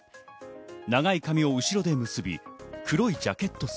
長い髪を後ろで結び、黒いジャケット姿。